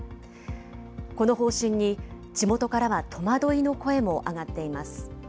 この方針に、地元からは戸惑いの声も上がっています。